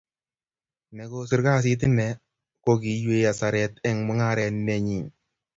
ne kosir kasit ine ko keiywei hasaret eng' mungaret nenyin